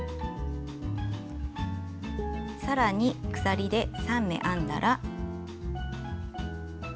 さらに鎖で３目編んだら。